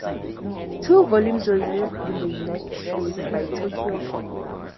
Two volumes were released in the United States by Tokyopop.